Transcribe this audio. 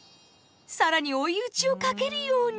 更に追い打ちをかけるように。